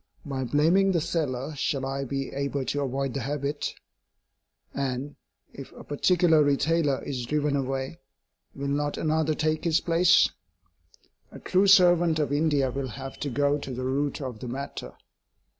By blaming the seller shall I be able to avoid the habit? And, if a particular retailer is driven away, will not another take his place? A true servant of India will have to go to the root of the matter.